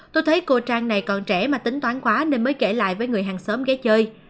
tôi thấy cô trang này còn trẻ mà tính toán quá nên mới kể lại với người hàng xóm ghé chơi